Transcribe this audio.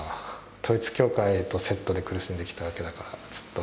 統一教会とセットで苦しんできたわけだから。